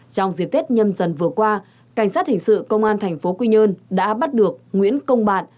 trong dịp tết nhâm dần vừa qua cảnh sát hình sự công an thành phố quy nhơn đã bắt được nguyễn công bạ